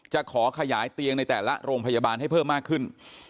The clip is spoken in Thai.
จะขอขยายเตียงในแต่ละโรงพยาบาลให้เพิ่มมากขึ้น